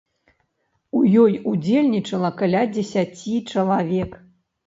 У ёй удзельнічала каля дзесяці чалавек.